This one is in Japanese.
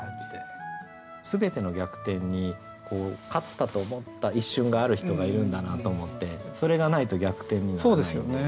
全ての逆転に勝ったと思った一瞬がある人がいるんだなと思ってそれがないと逆転にはならないので。